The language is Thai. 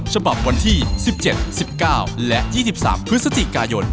ฉบับวันที่๑๗๑๙และ๒๓พฤศจิกายน